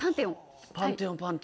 パンテオン。